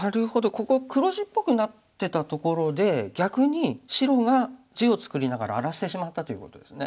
ここ黒地っぽくなってたところで逆に白が地を作りながら荒らしてしまったということですね。